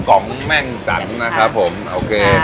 กองแม่งจันทร์นะครับผมโอเค